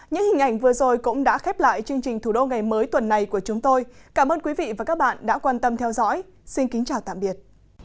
những hình ảnh vừa rồi cũng đã khép lại chương trình thủ đô ngày mới tuần này của chúng tôi cảm ơn quý vị và các bạn đã quan tâm theo dõi xin kính chào tạm biệt